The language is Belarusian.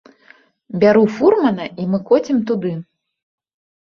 Бяру фурмана, і мы коцім туды.